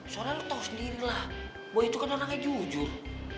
soalnya lo tau sendiri lah boy itu kan orangnya jujur